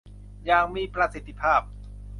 อย่างมีประสิทธิภาพ